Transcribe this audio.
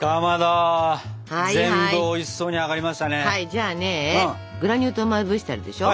じゃあねグラニュー糖まぶしてあるでしょ？